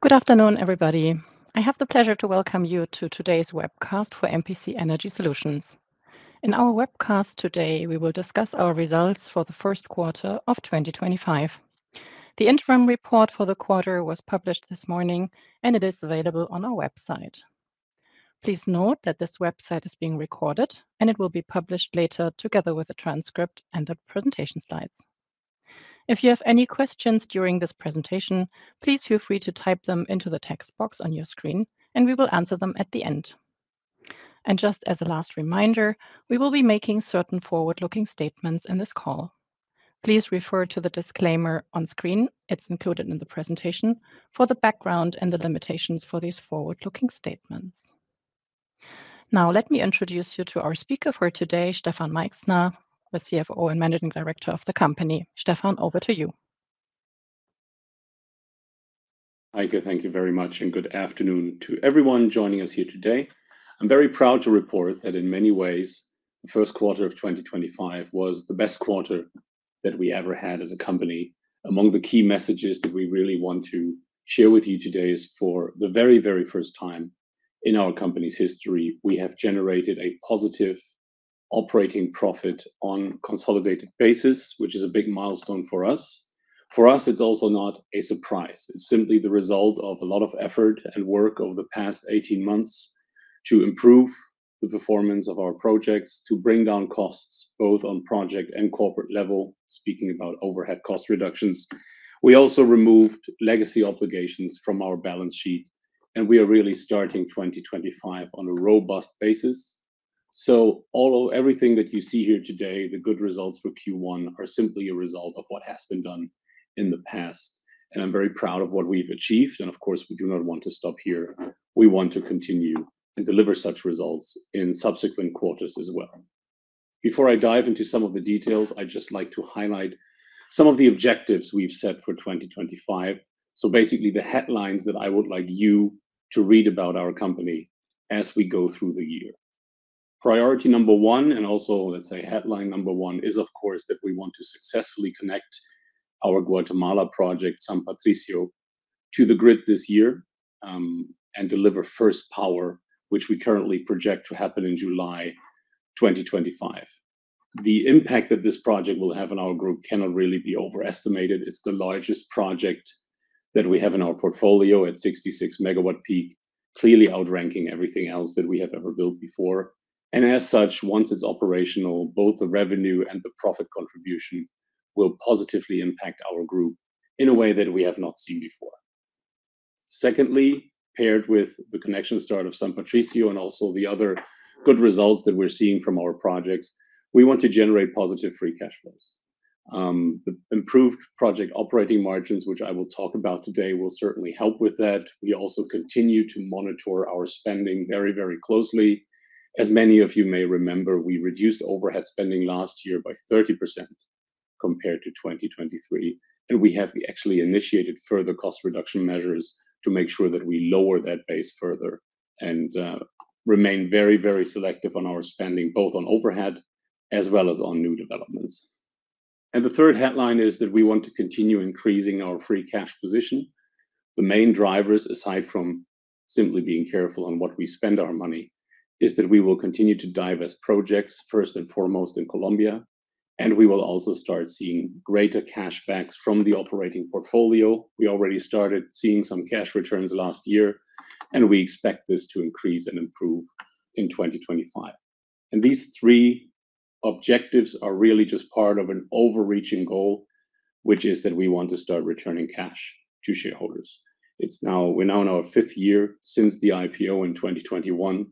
Good afternoon, everybody. I have the pleasure to welcome you to today's webcast for MPC Energy Solutions. In our webcast today, we will discuss our results for the first quarter of 2025. The interim report for the quarter was published this morning, and it is available on our website. Please note that this webcast is being recorded, and it will be published later together with a transcript and the presentation slides. If you have any questions during this presentation, please feel free to type them into the text box on your screen, and we will answer them at the end. Just as a last reminder, we will be making certain forward-looking statements in this call. Please refer to the disclaimer on screen. It is included in the presentation for the background and the limitations for these forward-looking statements. Now, let me introduce you to our speaker for today, Stefan Meichsner, the CFO and Managing Director of the company. Stefan, over to you. Thank you. Thank you very much, and good afternoon to everyone joining us here today. I'm very proud to report that in many ways, the first quarter of 2025 was the best quarter that we ever had as a company. Among the key messages that we really want to share with you today is, for the very, very first time in our company's history, we have generated a positive operating profit on a consolidated basis, which is a big milestone for us. For us, it's also not a surprise. It's simply the result of a lot of effort and work over the past 18 months to improve the performance of our projects, to bring down costs both on project and corporate level, speaking about overhead cost reductions. We also removed legacy obligations from our balance sheet, and we are really starting 2025 on a robust basis. All of everything that you see here today, the good results for Q1, are simply a result of what has been done in the past. I am very proud of what we've achieved. Of course, we do not want to stop here. We want to continue and deliver such results in subsequent quarters as well. Before I dive into some of the details, I'd just like to highlight some of the objectives we've set for 2025. Basically, the headlines that I would like you to read about our company as we go through the year. Priority number one, and also, let's say, headline number one, is, of course, that we want to successfully connect our Guatemala project, San Patricio, to the grid this year and deliver first power, which we currently project to happen in July 2025. The impact that this project will have on our group cannot really be overestimated. It's the largest project that we have in our portfolio at 66 megawatt peak, clearly outranking everything else that we have ever built before. As such, once it's operational, both the revenue and the profit contribution will positively impact our group in a way that we have not seen before. Secondly, paired with the connection start of San Patricio and also the other good results that we're seeing from our projects, we want to generate positive free cash flows. The improved project operating margins, which I will talk about today, will certainly help with that. We also continue to monitor our spending very, very closely. As many of you may remember, we reduced overhead spending last year by 30% compared to 2023. We have actually initiated further cost reduction measures to make sure that we lower that base further and remain very, very selective on our spending, both on overhead as well as on new developments. The third headline is that we want to continue increasing our free cash position. The main drivers, aside from simply being careful on what we spend our money, are that we will continue to divest projects, first and foremost in Colombia. We will also start seeing greater cashbacks from the operating portfolio. We already started seeing some cash returns last year, and we expect this to increase and improve in 2025. These three objectives are really just part of an overreaching goal, which is that we want to start returning cash to shareholders. We're now in our fifth year since the IPO in 2021,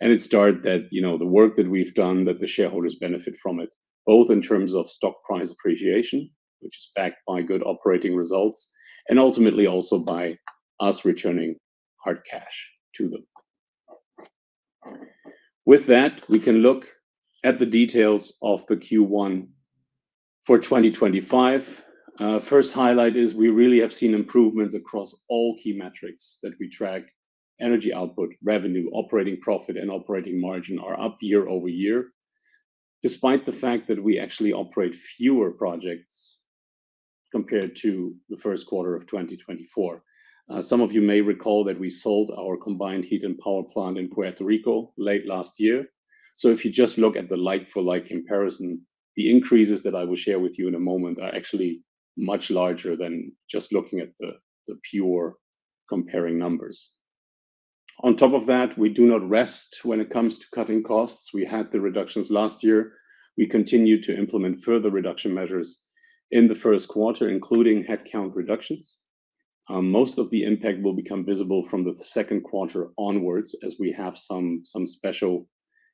and it's started that the work that we've done, that the shareholders benefit from it, both in terms of stock price appreciation, which is backed by good operating results, and ultimately also by us returning hard cash to them. With that, we can look at the details of the Q1 for 2025. First highlight is we really have seen improvements across all key metrics that we track: energy output, revenue, operating profit, and operating margin are up year over year, despite the fact that we actually operate fewer projects compared to the first quarter of 2024. Some of you may recall that we sold our combined heat and power plant in Puerto Rico late last year. If you just look at the like-for-like comparison, the increases that I will share with you in a moment are actually much larger than just looking at the pure comparing numbers. On top of that, we do not rest when it comes to cutting costs. We had the reductions last year. We continue to implement further reduction measures in the first quarter, including headcount reductions. Most of the impact will become visible from the second quarter onwards as we have some special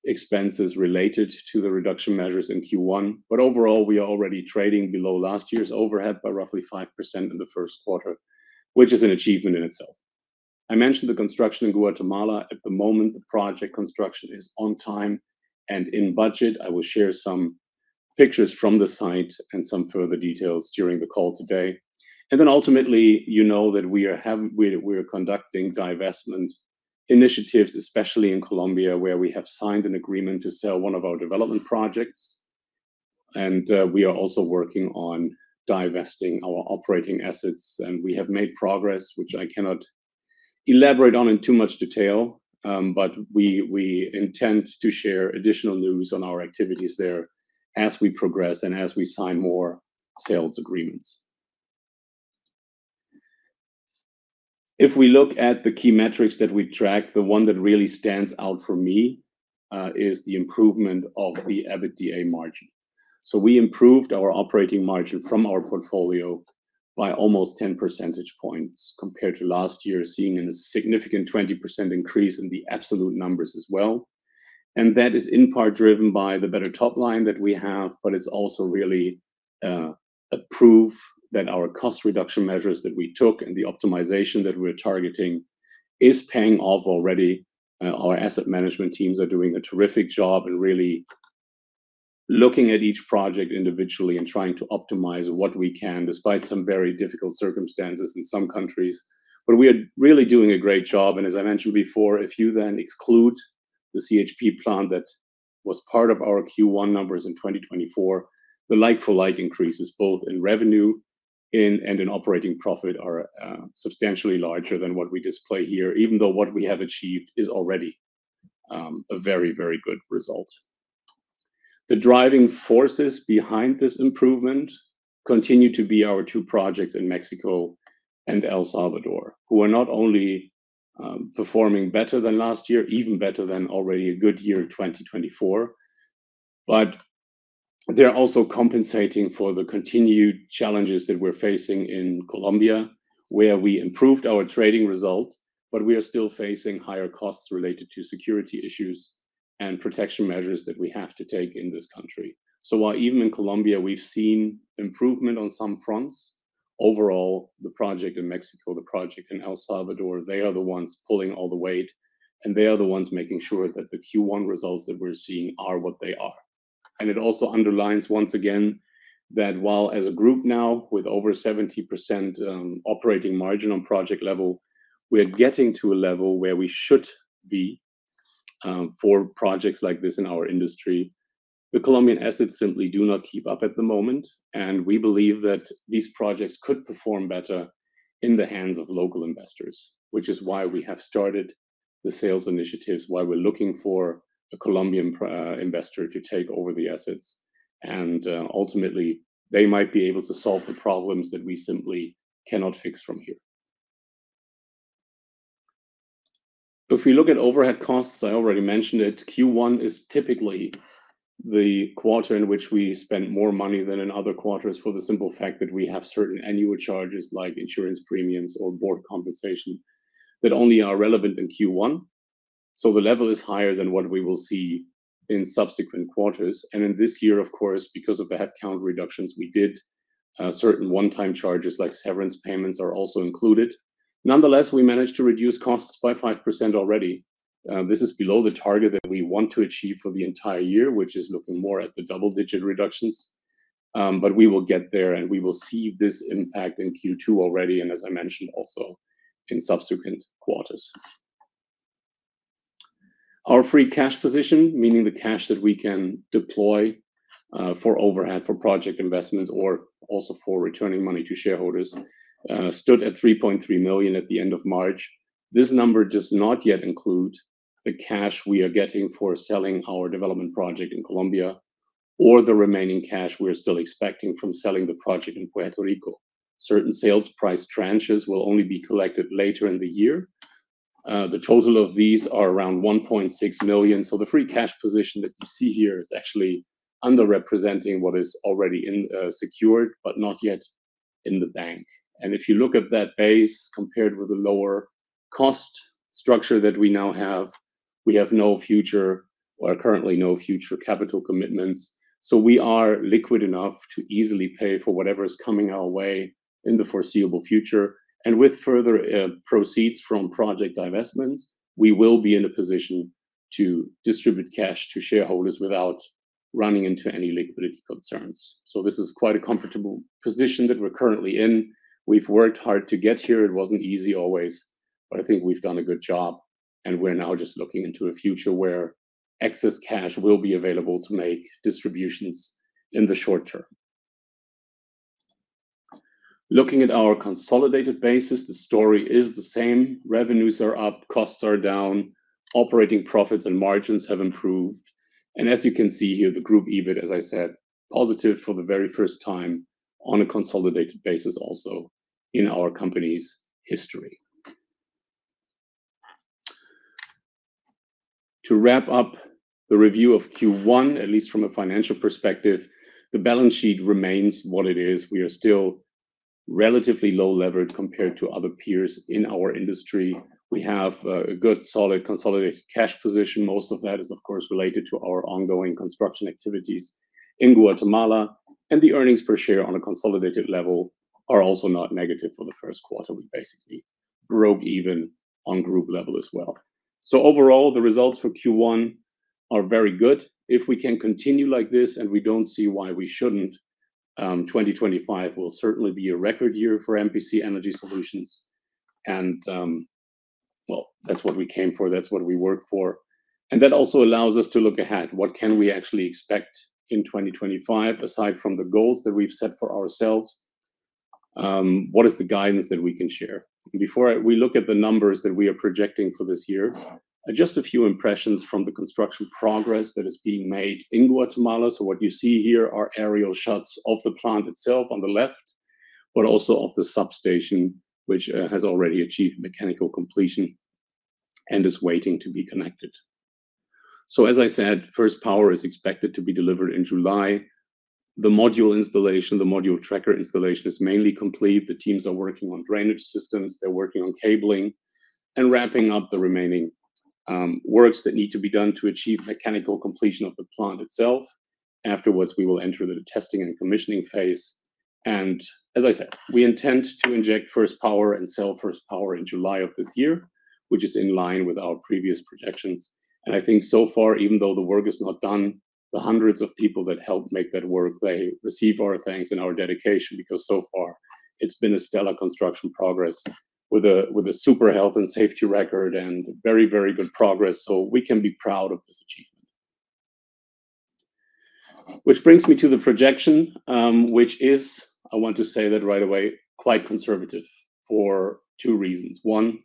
expenses related to the reduction measures in Q1. Overall, we are already trading below last year's overhead by roughly 5% in the first quarter, which is an achievement in itself. I mentioned the construction in Guatemala. At the moment, the project construction is on time and in budget. I will share some pictures from the site and some further details during the call today. Ultimately, you know that we are conducting divestment initiatives, especially in Colombia, where we have signed an agreement to sell one of our development projects. We are also working on divesting our operating assets. We have made progress, which I cannot elaborate on in too much detail, but we intend to share additional news on our activities there as we progress and as we sign more sales agreements. If we look at the key metrics that we track, the one that really stands out for me is the improvement of the EBITDA margin. We improved our operating margin from our portfolio by almost 10 percentage points compared to last year, seeing a significant 20% increase in the absolute numbers as well. That is in part driven by the better top line that we have, but it's also really a proof that our cost reduction measures that we took and the optimization that we're targeting is paying off already. Our asset management teams are doing a terrific job and really looking at each project individually and trying to optimize what we can, despite some very difficult circumstances in some countries. We are really doing a great job. As I mentioned before, if you then exclude the CHP plant that was part of our Q1 numbers in 2024, the like-for-like increases both in revenue and in operating profit are substantially larger than what we display here, even though what we have achieved is already a very, very good result. The driving forces behind this improvement continue to be our two projects in Mexico and El Salvador, who are not only performing better than last year, even better than already a good year in 2024, but they're also compensating for the continued challenges that we're facing in Colombia, where we improved our trading result, but we are still facing higher costs related to security issues and protection measures that we have to take in this country. While even in Colombia, we've seen improvement on some fronts, overall, the project in Mexico, the project in El Salvador, they are the ones pulling all the weight, and they are the ones making sure that the Q1 results that we're seeing are what they are. It also underlines, once again, that while as a group now with over 70% operating margin on project level, we are getting to a level where we should be for projects like this in our industry, the Colombian assets simply do not keep up at the moment. We believe that these projects could perform better in the hands of local investors, which is why we have started the sales initiatives, why we're looking for a Colombian investor to take over the assets. Ultimately, they might be able to solve the problems that we simply cannot fix from here. If we look at overhead costs, I already mentioned it. Q1 is typically the quarter in which we spend more money than in other quarters for the simple fact that we have certain annual charges like insurance premiums or board compensation that only are relevant in Q1. The level is higher than what we will see in subsequent quarters. In this year, of course, because of the headcount reductions we did, certain one-time charges like severance payments are also included. Nonetheless, we managed to reduce costs by 5% already. This is below the target that we want to achieve for the entire year, which is looking more at the double-digit reductions. We will get there, and we will see this impact in Q2 already, and as I mentioned, also in subsequent quarters. Our free cash position, meaning the cash that we can deploy for overhead, for project investments, or also for returning money to shareholders, stood at $3.3 million at the end of March. This number does not yet include the cash we are getting for selling our development project in Colombia or the remaining cash we're still expecting from selling the project in Puerto Rico. Certain sales price tranches will only be collected later in the year. The total of these are around $1.6 million. The free cash position that you see here is actually underrepresenting what is already secured, but not yet in the bank. If you look at that base compared with the lower cost structure that we now have, we have no future or currently no future capital commitments. We are liquid enough to easily pay for whatever is coming our way in the foreseeable future. With further proceeds from project divestments, we will be in a position to distribute cash to shareholders without running into any liquidity concerns. This is quite a comfortable position that we're currently in. We've worked hard to get here. It wasn't easy always, but I think we've done a good job. We're now just looking into a future where excess cash will be available to make distributions in the short term. Looking at our consolidated basis, the story is the same. Revenues are up, costs are down, operating profits and margins have improved. As you can see here, the group EBIT, as I said, positive for the very first time on a consolidated basis also in our company's history. To wrap up the review of Q1, at least from a financial perspective, the balance sheet remains what it is. We are still relatively low-levered compared to other peers in our industry. We have a good solid consolidated cash position. Most of that is, of course, related to our ongoing construction activities in Guatemala. The earnings per share on a consolidated level are also not negative for the first quarter. We basically broke even on group level as well. Overall, the results for Q1 are very good. If we can continue like this and we do not see why we should not, 2025 will certainly be a record year for MPC Energy Solutions. That is what we came for. That is what we worked for. That also allows us to look ahead. What can we actually expect in 2025 aside from the goals that we have set for ourselves? What is the guidance that we can share? Before we look at the numbers that we are projecting for this year, just a few impressions from the construction progress that is being made in Guatemala. What you see here are aerial shots of the plant itself on the left, but also of the substation, which has already achieved mechanical completion and is waiting to be connected. As I said, first power is expected to be delivered in July. The module installation, the module tracker installation is mainly complete. The teams are working on drainage systems. They're working on cabling and wrapping up the remaining works that need to be done to achieve mechanical completion of the plant itself. Afterwards, we will enter the testing and commissioning phase. As I said, we intend to inject first power and sell first power in July of this year, which is in line with our previous projections. I think so far, even though the work is not done, the hundreds of people that helped make that work, they receive our thanks and our dedication because so far it's been a stellar construction progress with a super health and safety record and very, very good progress. We can be proud of this achievement. Which brings me to the projection, which is, I want to say that right away, quite conservative for two reasons. One,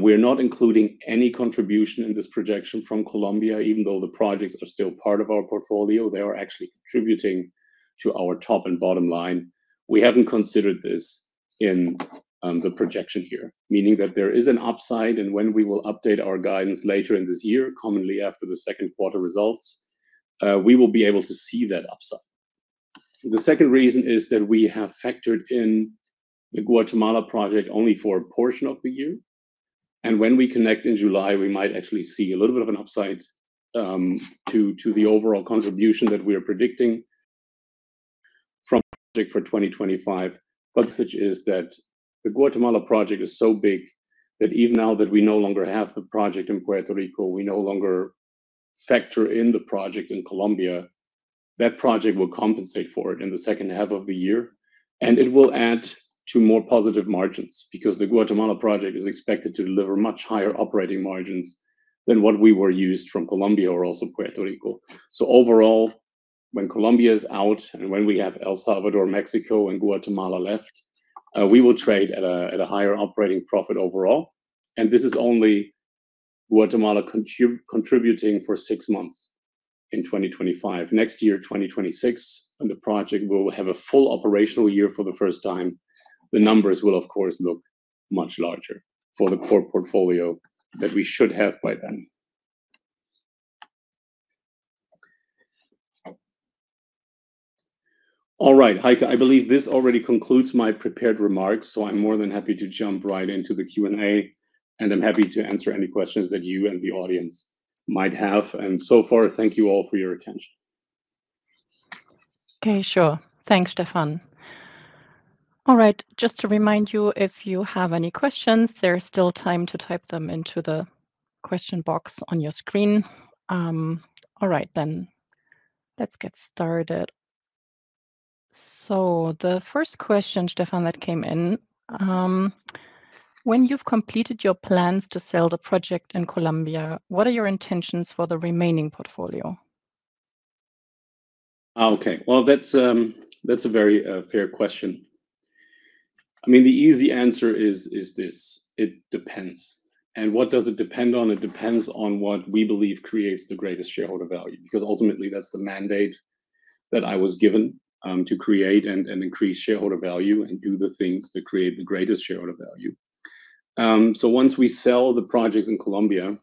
we are not including any contribution in this projection from Colombia, even though the projects are still part of our portfolio. They are actually contributing to our top and bottom line. We haven't considered this in the projection here, meaning that there is an upside. When we will update our guidance later in this year, commonly after the second quarter results, we will be able to see that upside. The second reason is that we have factored in the Guatemala project only for a portion of the year. When we connect in July, we might actually see a little bit of an upside to the overall contribution that we are predicting from project for 2025. The message is that the Guatemala project is so big that even now that we no longer have the project in Puerto Rico, we no longer factor in the project in Colombia, that project will compensate for it in the second half of the year. It will add to more positive margins because the Guatemala project is expected to deliver much higher operating margins than what we were used from Colombia or also Puerto Rico. Overall, when Colombia is out and when we have El Salvador, Mexico, and Guatemala left, we will trade at a higher operating profit overall. This is only Guatemala contributing for six months in 2025. Next year, 2026, when the project will have a full operational year for the first time, the numbers will, of course, look much larger for the core portfolio that we should have by then. All right, Heike, I believe this already concludes my prepared remarks. I am more than happy to jump right into the Q&A, and I am happy to answer any questions that you and the audience might have. So far, thank you all for your attention. Okay, sure. Thanks, Stefan. All right, just to remind you, if you have any questions, there is still time to type them into the question box on your screen. All right, then let's get started. The first question, Stefan, that came in, when you've completed your plans to sell the project in Colombia, what are your intentions for the remaining portfolio? Okay, that's a very fair question. I mean, the easy answer is this. It depends. And what does it depend on? It depends on what we believe creates the greatest shareholder value, because ultimately, that's the mandate that I was given to create and increase shareholder value and do the things to create the greatest shareholder value. Once we sell the projects in Colombia,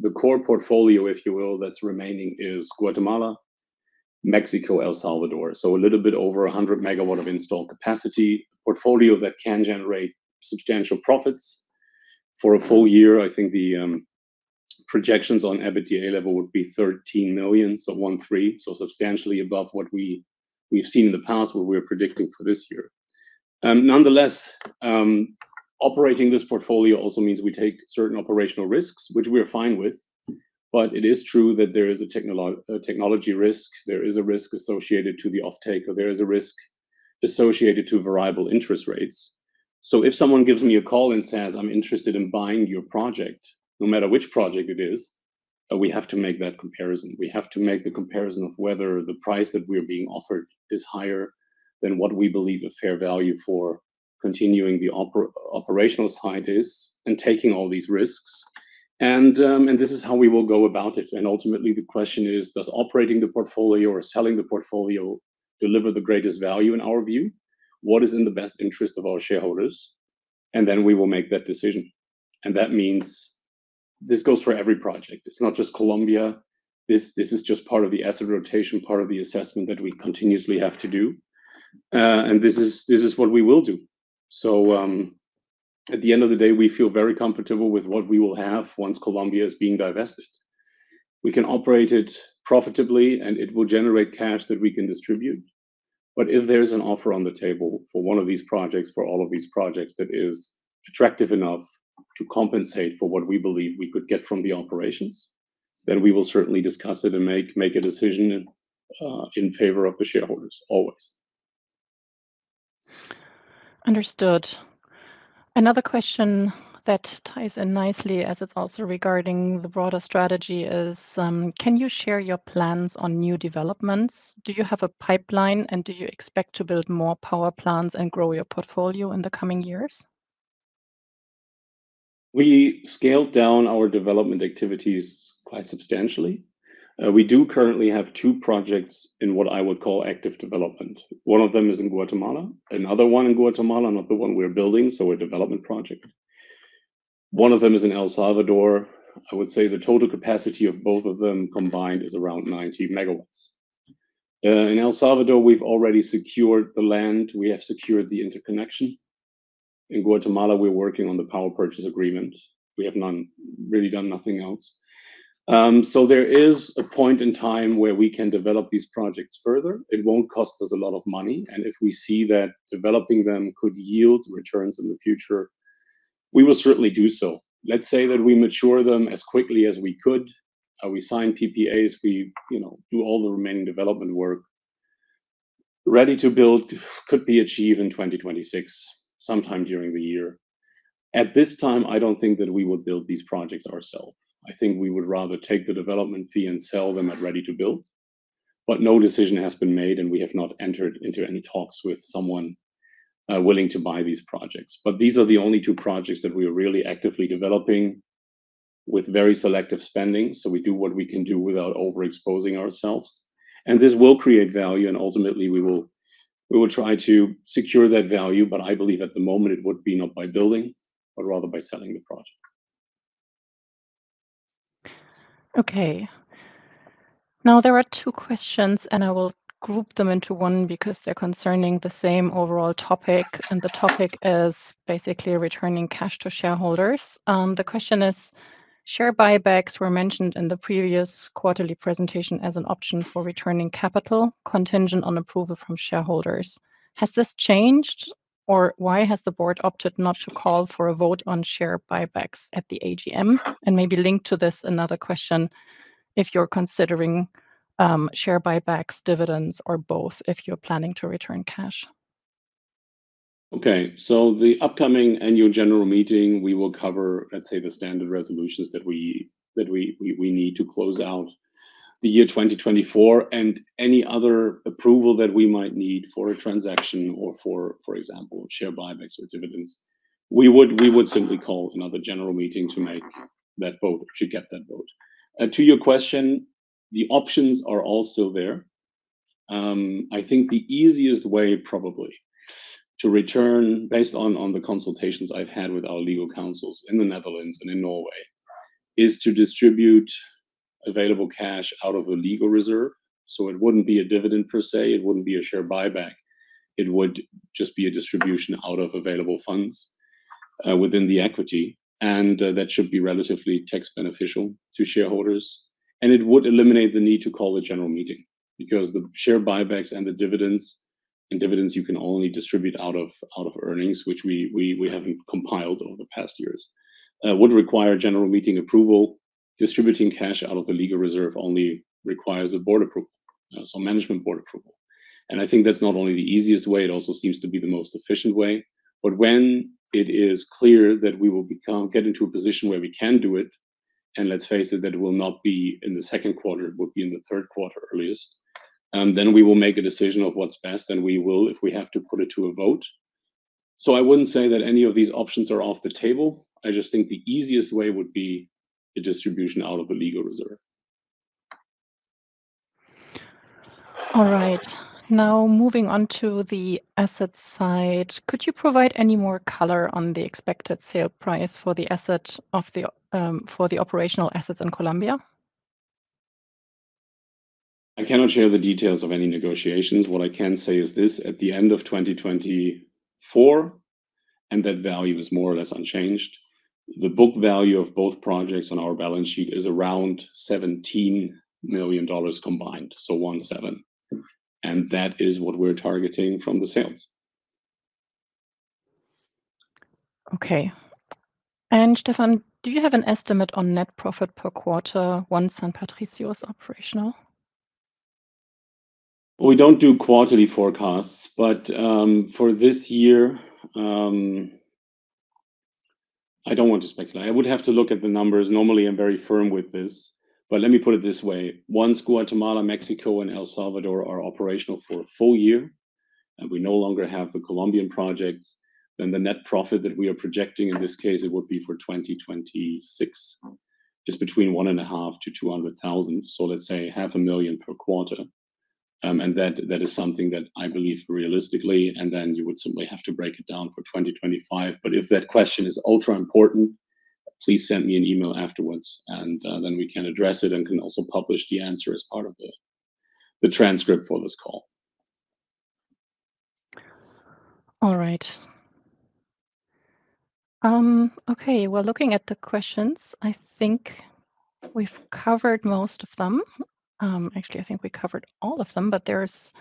the core portfolio, if you will, that's remaining is Guatemala, Mexico, El Salvador. A little bit over 100 megawatt of installed capacity, a portfolio that can generate substantial profits. For a full year, I think the projections on EBITDA level would be $13 million, so $1.3 million, so substantially above what we've seen in the past, what we're predicting for this year. Nonetheless, operating this portfolio also means we take certain operational risks, which we are fine with. It is true that there is a technology risk. There is a risk associated to the off-take. There is a risk associated to variable interest rates. If someone gives me a call and says, "I'm interested in buying your project," no matter which project it is, we have to make that comparison. We have to make the comparison of whether the price that we are being offered is higher than what we believe a fair value for continuing the operational side is and taking all these risks. This is how we will go about it. Ultimately, the question is, does operating the portfolio or selling the portfolio deliver the greatest value in our view? What is in the best interest of our shareholders? We will make that decision. That means this goes for every project. It is not just Colombia. This is just part of the asset rotation, part of the assessment that we continuously have to do. This is what we will do. At the end of the day, we feel very comfortable with what we will have once Colombia is being divested. We can operate it profitably, and it will generate cash that we can distribute. If there's an offer on the table for one of these projects, for all of these projects, that is attractive enough to compensate for what we believe we could get from the operations, then we will certainly discuss it and make a decision in favor of the shareholders, always. Understood. Another question that ties in nicely, as it's also regarding the broader strategy, is, can you share your plans on new developments? Do you have a pipeline, and do you expect to build more power plants and grow your portfolio in the coming years? We scaled down our development activities quite substantially. We do currently have two projects in what I would call active development. One of them is in Guatemala, another one in Guatemala, not the one we're building. So a development project. One of them is in El Salvador. I would say the total capacity of both of them combined is around 90 megawatts. In El Salvador, we've already secured the land. We have secured the interconnection. In Guatemala, we're working on the power purchase agreement. We have really done nothing else. There is a point in time where we can develop these projects further. It won't cost us a lot of money. If we see that developing them could yield returns in the future, we will certainly do so. Let's say that we mature them as quickly as we could. We sign PPAs. We do all the remaining development work. Ready to build could be achieved in 2026, sometime during the year. At this time, I don't think that we would build these projects ourselves. I think we would rather take the development fee and sell them at ready to build. No decision has been made, and we have not entered into any talks with someone willing to buy these projects. These are the only two projects that we are really actively developing with very selective spending. We do what we can do without overexposing ourselves. This will create value. Ultimately, we will try to secure that value. I believe at the moment, it would be not by building, but rather by selling the project. Okay. Now, there are two questions, and I will group them into one because they are concerning the same overall topic. The topic is basically returning cash to shareholders. The question is, share buybacks were mentioned in the previous quarterly presentation as an option for returning capital, contingent on approval from shareholders. Has this changed, or why has the board opted not to call for a vote on share buybacks at the AGM? Maybe link to this another question, if you're considering share buybacks, dividends, or both, if you're planning to return cash. Okay. The upcoming annual general meeting, we will cover, let's say, the standard resolutions that we need to close out the year 2024 and any other approval that we might need for a transaction or, for example, share buybacks or dividends. We would simply call another general meeting to make that vote, to get that vote. To your question, the options are all still there. I think the easiest way, probably, to return, based on the consultations I've had with our legal counsels in the Netherlands and in Norway, is to distribute available cash out of the legal reserve. It would not be a dividend per se. It would not be a share buyback. It would just be a distribution out of available funds within the equity. That should be relatively tax beneficial to shareholders. It would eliminate the need to call a general meeting because the share buybacks and the dividends, and dividends you can only distribute out of earnings, which we have not compiled over the past years, would require general meeting approval. Distributing cash out of the legal reserve only requires a board approval, so management board approval. I think that is not only the easiest way. It also seems to be the most efficient way. When it is clear that we will get into a position where we can do it, and let's face it, that it will not be in the second quarter, it would be in the third quarter earliest, we will make a decision of what's best. We will, if we have to, put it to a vote. I wouldn't say that any of these options are off the table. I just think the easiest way would be a distribution out of the legal reserve. All right. Now, moving on to the asset side, could you provide any more color on the expected sale price for the operational assets in Colombia? I cannot share the details of any negotiations. What I can say is this: at the end of 2024, and that value is more or less unchanged. The book value of both projects on our balance sheet is around $17 million combined, so $17 million. That is what we're targeting from the sales. Okay. Stefan, do you have an estimate on net profit per quarter once San Patricio is operational? We don't do quarterly forecasts, but for this year, I don't want to speculate. I would have to look at the numbers. Normally, I'm very firm with this. Let me put it this way: once Guatemala, Mexico, and El Salvador are operational for a full year, and we no longer have the Colombian projects, the net profit that we are projecting in this case, it would be for 2026, just between $1.5 million-$2 million. Let's say $500,000 per quarter. That is something that I believe realistically, and then you would simply have to break it down for 2025. If that question is ultra important, please send me an email afterwards, and then we can address it and can also publish the answer as part of the transcript for this call. All right. Okay. Looking at the questions, I think we've covered most of them. Actually, I think we covered all of them, but there's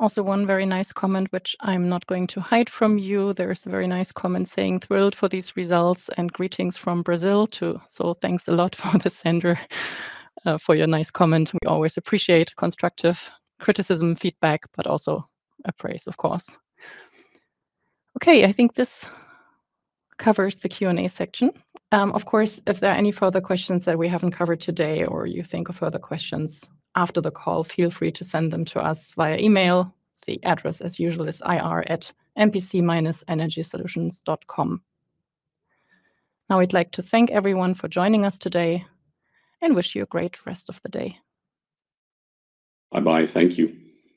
also one very nice comment, which I'm not going to hide from you. There's a very nice comment saying, "Thrilled for these results and greetings from Brazil too." Thanks a lot, Father Sander, for your nice comment. We always appreciate constructive criticism, feedback, but also appraise, of course. I think this covers the Q&A section. Of course, if there are any further questions that we haven't covered today or you think of further questions after the call, feel free to send them to us via email. The address, as usual, is ir@mpc-energysolutions.com. Now, I'd like to thank everyone for joining us today and wish you a great rest of the day. Bye-bye. Thank you.